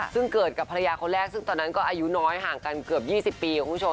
ซึ่งเกิดกับภรรยาคนแรกซึ่งตอนนั้นก็อายุน้อยห่างกันเกือบ๒๐ปีคุณผู้ชม